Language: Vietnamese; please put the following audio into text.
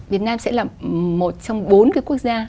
việt nam sẽ là một trong bốn cái quốc gia